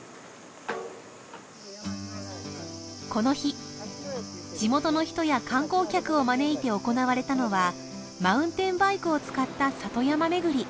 この日地元の人や観光客を招いて行われたのはマウンテンバイクを使った里山巡り。